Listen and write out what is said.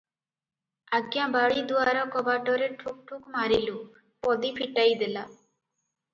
"ଆଜ୍ଞା ବାଡିଦୁଆର କବାଟରେ ଠୁକ୍ ଠୁକ୍ ମାରିଲୁ, ପଦୀ ଫିଟାଇ ଦେଲା ।"